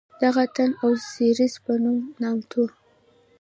دغه تن د اوسیریس په نوم نامتوو.